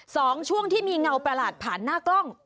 ช่วงที่มีเงาประหลาดผ่านหน้ากล้อง